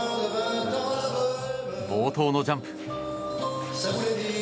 冒頭のジャンプ。